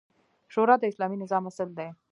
شورا د اسلامي نظام اصل دی